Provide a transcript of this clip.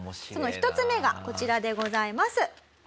その１つ目がこちらでございます。